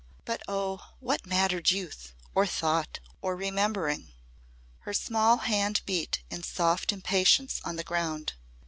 But oh, what mattered youth or thought or remembering! Her small hand beat in soft impatience on the ground.